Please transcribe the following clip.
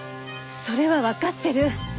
それはわかってる。